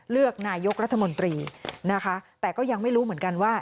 เลือกนายกรัฐมนตรีนะคะแต่ก็ยังไม่รู้เหมือนกันว่า